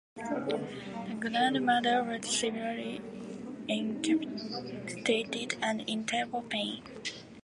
The grandmother was severely incapacitated and in terrible pain.